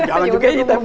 jangan juga hitam